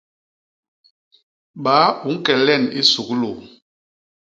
Baa u ñke len i suglu?